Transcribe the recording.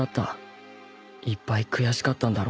いっぱい悔しかったんだろうな